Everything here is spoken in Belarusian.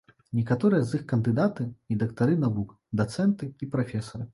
Некаторыя з іх кандыдаты і дактары навук, дацэнты і прафесары.